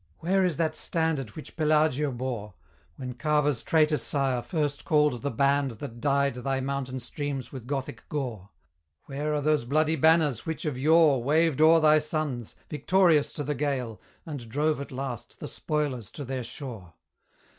Where is that standard which Pelagio bore, When Cava's traitor sire first called the band That dyed thy mountain streams with Gothic gore? Where are those bloody banners which of yore Waved o'er thy sons, victorious to the gale, And drove at last the spoilers to their shore?